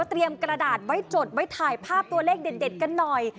กระดาษไว้จดไว้ถ่ายภาพตัวเลขเด็ดกันหน่อย